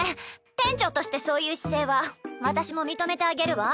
店長としてそういう姿勢は私も認めてあげるわ。